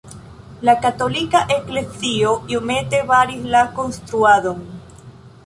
La katolika eklezio iomete baris la konstruadon.